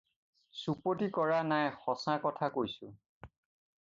চুপতি কৰা নাই, সঁচা কথা কৈছো।